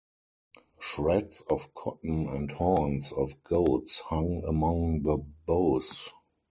Shreds of cotton and horns of goats hung among the boughs.